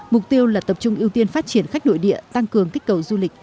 mục tiêu là tập trung ưu tiên phát triển khách nội địa tăng cường kích cầu du lịch